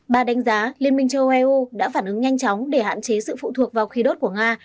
bà đánh giá liên minh châu âu đã phản ứng nhanh chóng để hạn chế sự phụ thuộc vào khí đốt của nga